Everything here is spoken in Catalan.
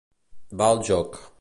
Va el joc.